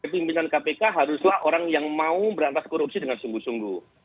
pimpinan kpk haruslah orang yang mau berantas korupsi dengan sungguh sungguh